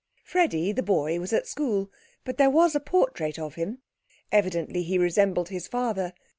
Freddy, the boy, was at school, but there was a portrait of him. Evidently he resembled his father.